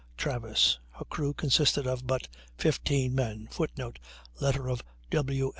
Travis; her crew consisted of but 15 men. [Footnote: Letter of W.